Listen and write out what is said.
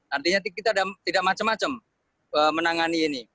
artinya kita tidak macam macam menangani ini